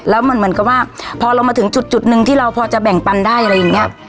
แล้วมันเหมือนกับว่าพอเรามาถึงจุดหนึ่งที่เราพอจะแบ่งปันได้อะไรอย่างเงี้ย